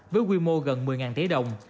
với quy mô gần một mươi tỷ đồng